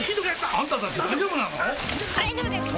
大丈夫です！